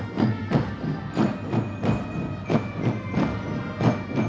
sersan mayor satu taruna fajar m alvaro